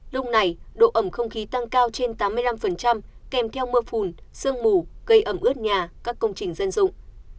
lúc này độ ẩm không khí tăng cao trên tám mươi năm kèm theo mưa phùn sương mù gây ẩm ướt nhà các công trình dân dụng